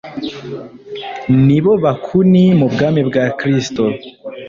ni bo bakuni mu bwami bwa Kristo.